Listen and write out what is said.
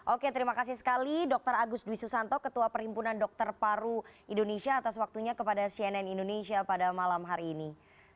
oke terima kasih sekali dr agus dwi susanto ketua perhimpunan dokter paru indonesia atas waktunya kepada cnn indonesia pada malam hari ini